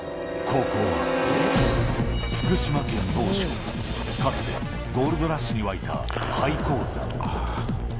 ここは福島県某所、かつてゴールドラッシュに沸いた廃鉱山。